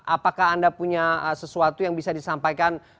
apakah anda punya sesuatu yang bisa disampaikan